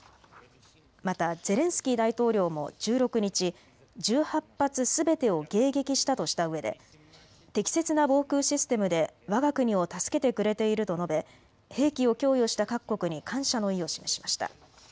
またゼレンスキー大統領も１６日、１８発すべてを迎撃したとしたうえで適切な防空システムでわが国を助けてくれていると述べ兵器を供与した各国に感謝の意を示しました。